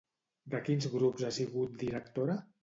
De quins grups ha sigut directora?